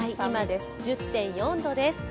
１０．４度です。